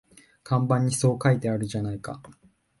看板にそう書いてあるじゃないか